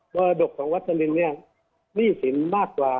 มรดกของวัดศริลป์นี่นี่สินมากกว่า